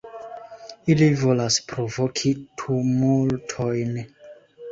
Ili volas provoki tumultojn.